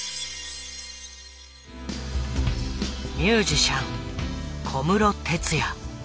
ミュージシャン小室哲哉。